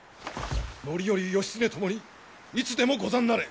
範頼義経ともにいつでもござんなれ！